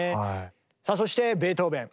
さあそしてベートーベン。